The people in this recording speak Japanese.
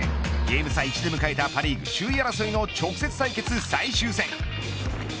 ゲーム差１で迎えたパ・リーグ首位争いの直接対決最終戦。